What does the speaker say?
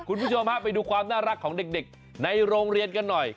คุณผู้ชมฮะไปดูความน่ารักของเด็กในโรงเรียนกันหน่อย